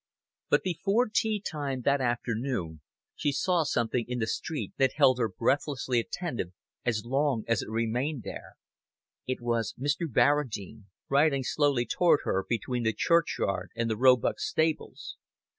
But before tea time that afternoon she saw something in the street that held her breathlessly attentive as long as it remained there. It was Mr. Barradine, riding slowly toward her between the churchyard and the Roebuck stables.